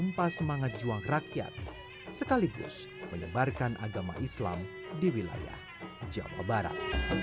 tanpa semangat juang rakyat sekaligus menyebarkan agama islam di wilayah jawa barat